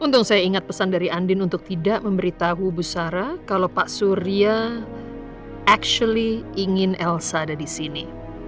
untung saya ingat pesan dari andin untuk tidak memberitahu busara kalau pak surya actually ingin elsa ada di sini